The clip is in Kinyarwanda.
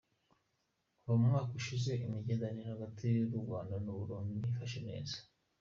Kuva mu mwaka ushize imigenderanire hagati y'u Burundi n'u Rwanda ntiyifashe neza.